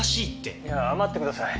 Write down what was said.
いや待ってください。